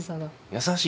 優しい？